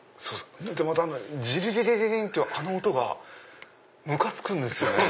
でまたジリリリリリンってあの音がムカつくんですよね。